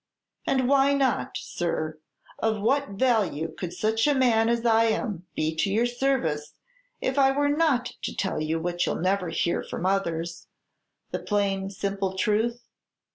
"And why not, sir? Of what value could such a man as I am be to your service, if I were not to tell you what you 'll never hear from others, the plain, simple truth?